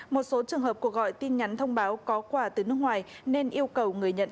một số trường hợp cuộc gọi tin nhắn thông báo có quà từ nước ngoài nên yêu cầu người nhận